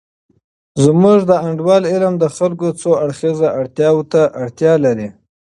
زمونږ د انډول علم د خلګو څو اړخیزه اړتیاوو ته اړتیا لري.